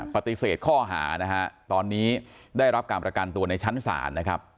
ปฏิเสธข้อหานะฮะตอนนี้ได้รับการประกันตัวในชั้นศาลนะครับ